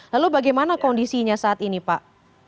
lalu bagaimana kondisinya saat ini pak